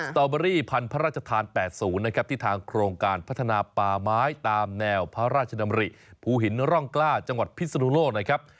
ตอเบอรี่พันธุ์พระราชทาน๘๐นะครับที่ทางโครงการพัฒนาป่าไม้ตามแนวพระราชดำริภูหินร่องกล้าจังหวัดพิศนุโลกนะครับ